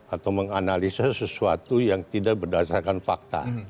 atau menganalisa sesuatu yang tidak berdasarkan fakta